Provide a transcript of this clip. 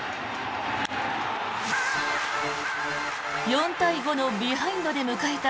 ４対５のビハインドで迎えた